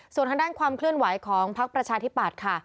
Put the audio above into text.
ส่วนทางด้านความเคลื่อนไหวของพักประชาธิปัตย์ค่ะ